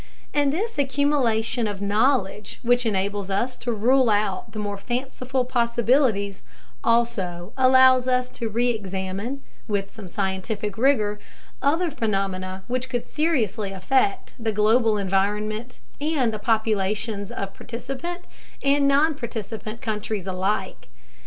And this accumulation of knowledge which enables us to rule out the more fanciful possibilities also allows us to reexamine, with some scientific rigor, other phenomena which could seriously affect the global environment and the populations of participant and nonparticipant countries alike.